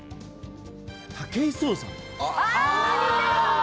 武井壮さん。